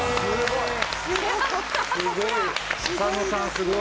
すごい。